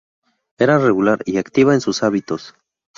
Era regular y activa en sus hábitos.